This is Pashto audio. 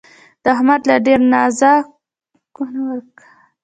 د احمد له ډېره نازه کونه ورکه ده